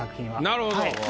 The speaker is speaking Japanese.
なるほど。